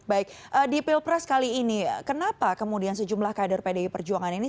baik di pilpres kali ini kenapa kemudian sejumlah kader pdi perjuangan ini